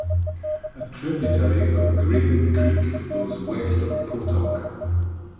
A tributary of Graben Creek flows west of Potok.